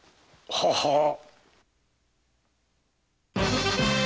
ははっ。